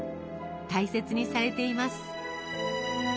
大切にされています。